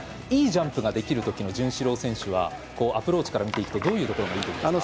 いいジャンプができるときの潤志郎選手は、アプローチから見ていくとどういうところがありますか。